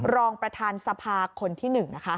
รองประธานสภาคนที่๑นะคะ